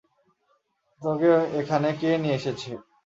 তোকে এখানে কে নিয়ে এসেছে?